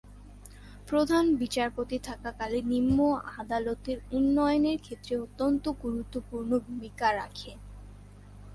প্রধান বিচারপতি থাকাকালে নিম্ন আদালতের উন্নয়নের ক্ষেত্রে অত্যন্ত গুরুত্বপূর্ণ ভূমিকা রাখেন।